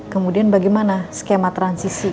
kemudian bagaimana skema transisi